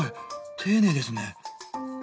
丁寧ですね。